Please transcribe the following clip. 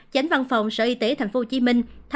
chánh văn phòng sở y tế thành phố hồ chí minh